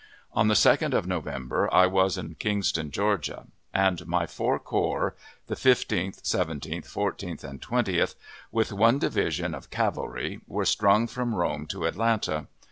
On the 2d of November I was at Kingston, Georgia, and my four corps the Fifteenth, Seventeenth, Fourteenth, and Twentieth with one division of cavalry, were strung from Rome to Atlanta.